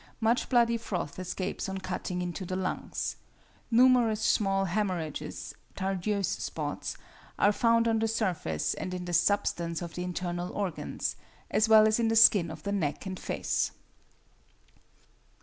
Much bloody froth escapes on cutting into the lungs. Numerous small hæmorrhages (Tardieu's spots) are found on the surface and in the substance of the internal organs, as well as in the skin of the neck and face.